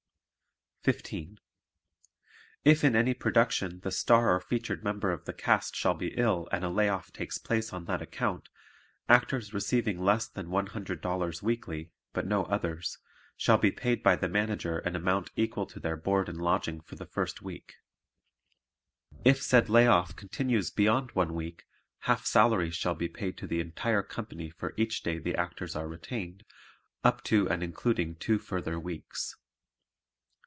15. If in any production the star or featured member of the cast shall be ill and a lay off takes place on that account, Actors receiving less than $100.00 weekly (but no others) shall be paid by the Manager an amount equal to their board and lodging for the first week. If said lay off continues beyond one week, half salaries shall be paid to the entire company for each day the Actors are retained up to and including two further weeks.